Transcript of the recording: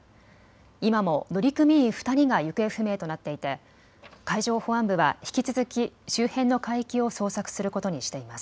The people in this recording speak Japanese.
今も乗組員２人が行方不明となっていて海上保安部は引き続き周辺の海域を捜索することにしています。